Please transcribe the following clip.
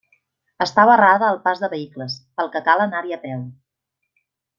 Està barrada al pas de vehicles, pel que cal anar-hi a peu.